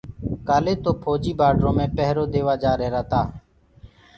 ڪآليِ ڪيِ ڦوجيٚ بآڊري ميِ پيهرو ديوآ جآريهِرآ تآ